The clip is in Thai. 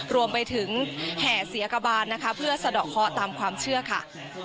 รวมไปถึงแห่เสียกบานนะคะเพื่อสะดอกเคาะตามความเชื่อค่ะ